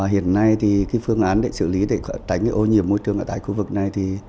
hiện nay phương án để xử lý để tránh ô nhiễm môi trường ở tại khu vực này